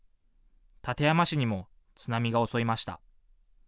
館山市にも津波が襲いました。